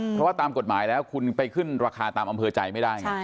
เพราะว่าตามกฎหมายแล้วคุณไปขึ้นราคาตามอำเภอใจไม่ได้ไง